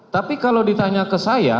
tapi kalau ditanya ke saya